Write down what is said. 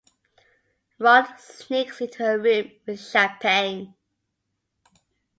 Ron sneaks into her room with champagne.